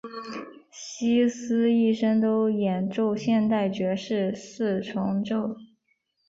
希斯一生都演奏现代爵士四重奏。